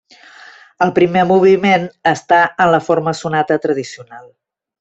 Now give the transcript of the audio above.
El primer moviment està en la forma sonata tradicional.